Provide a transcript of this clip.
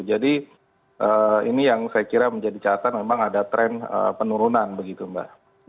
jadi ini yang saya kira menjadi catan memang ada tren penurunan begitu mbak